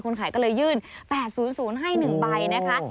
ขายก็เลยยื่น๘๐๐ให้๑ใบนะคะ